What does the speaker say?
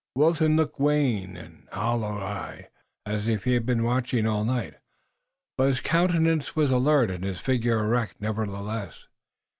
Wilton looked wan and hollow eyed, as if he had been watching all night, but his countenance was alert, and his figure erect nevertheless.